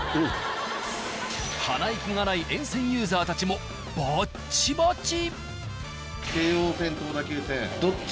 鼻息が荒い沿線ユーザーたちもバッチバチ！